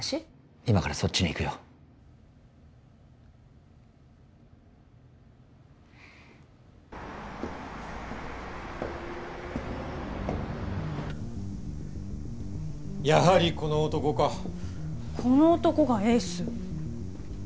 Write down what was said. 今からそっちに行くよやはりこの男かこの男がエース